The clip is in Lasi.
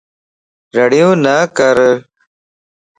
رڙيون نه ڪر